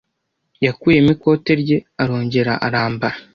Yakuyemo ikote rye arongera arambara.